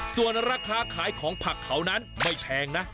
ส่วนราคาขายของผักเขานั้นไม่แพงนะ